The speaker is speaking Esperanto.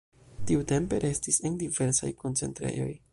Tiutempe restis en diversaj koncentrejoj.